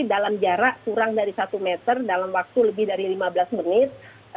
dalam jarak kurang dari satu meter dalam waktu lebih dari lima belas menit